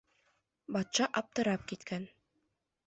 Батша аптырап киткән: